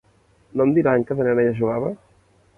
No em diran que de nena ja jugava?